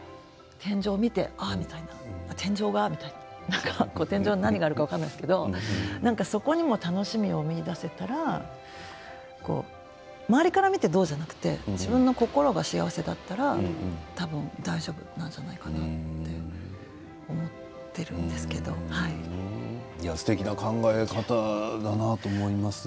天井見て天井があるなとか天井に何があるか分かりませんけどそこにも楽しみが見いだせたら周りから見てどうということではなくて自分の心が幸せだったらたぶん大丈夫なんじゃないかなと思ってすてきな考え方だなと思います。